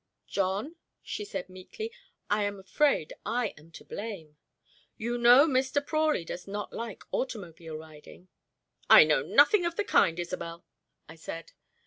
"John," she said meekly, "I am afraid I am to blame. You know Mr. Prawley does not like automobile riding " "I know nothing of the kind, Isobel," I said.